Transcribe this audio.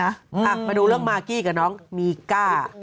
อ่ะมาดูเรื่องมากกี้กับน้องมีก้า